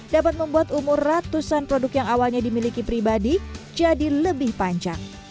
dapat membuat umur ratusan produk yang awalnya dimiliki pribadi jadi lebih panjang